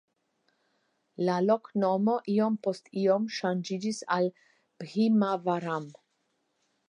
La loknomo iom post iom ŝanĝiĝis al "Bhimavaram".